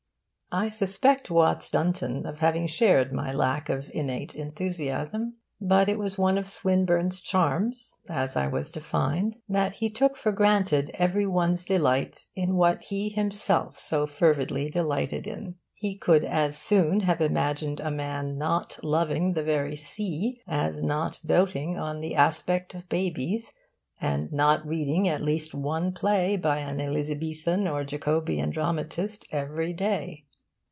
I suspect Watts Dunton of having shared my lack of innate enthusiasm. But it was one of Swinburne's charms, as I was to find, that he took for granted every one's delight in what he himself so fervidly delighted in. He could as soon have imagined a man not loving the very sea as not doting on the aspect of babies and not reading at least one play by an Elizabethan or Jacobean dramatist every day.